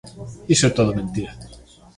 Iso é todo mentira.